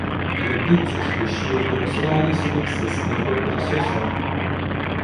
Tradiciškai Švedijos ralis vyksta sniego trasose.